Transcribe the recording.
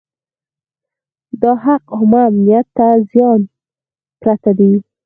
دا حق عامه امنیت ته د زیان پرته دی.